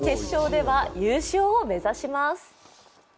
決勝では優勝を目指します。